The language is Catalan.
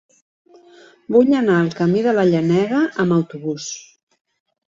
Vull anar al camí de la Llenega amb autobús.